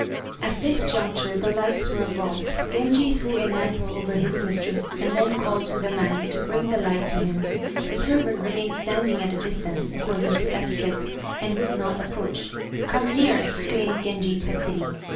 At this juncture the lights were brought. Genji threw a mantle over his mistress, and then called to the man to bring the light to him. The servant remained standing at a distance (according to etiquette), and would not approach. "Come near," exclaimed Genji, testily.